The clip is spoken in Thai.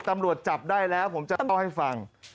ตำรวจจับได้แล้วผมจะเล่าให้ฟัง